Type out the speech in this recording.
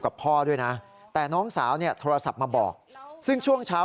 กับพ่อด้วยนะแต่น้องสาวเนี่ยโทรศัพท์มาบอกซึ่งช่วงเช้า